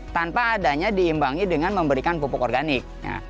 tanpa adanya diimbangi dengan memberikan pupuk organik